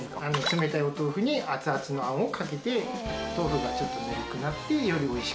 冷たいお豆腐に熱々のあんをかけて豆腐がちょっとぬるくなってより美味しくなる。